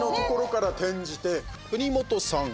国本さんは？